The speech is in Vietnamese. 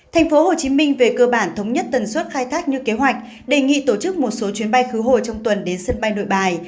tp hcm về cơ bản thống nhất tần suất khai thác như kế hoạch đề nghị tổ chức một số chuyến bay khứ hồi trong tuần đến sân bay nội bài